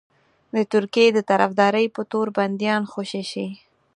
د ترکیې د طرفدارۍ په تور بنديان خوشي شي.